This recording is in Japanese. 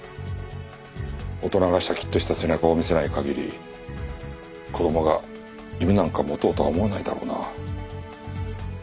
大人がシャキッとした背中を見せない限り子供が夢なんか持とうとは思わないだろうな。